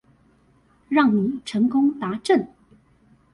讓你成功達陣